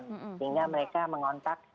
sehingga mereka mengontak